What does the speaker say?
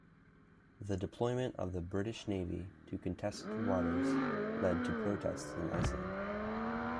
The deployment of the British Navy to contested waters led to protests in Iceland.